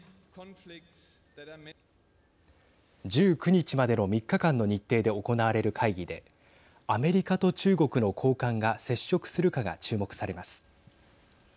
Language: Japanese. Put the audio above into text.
１９日までの３日間の日程で行われる会議でアメリカと中国の高官が接触するかが注目されます。